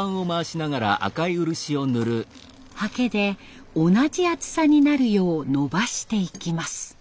刷毛で同じ厚さになるようのばしていきます。